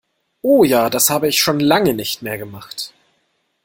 Oh ja, das habe ich schon lange nicht mehr gemacht!